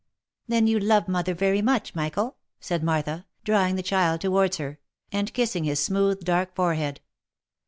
" Then you love mother very much, Michael?" said Martha, drawing the child towards her, and kissing his smooth dark fore head.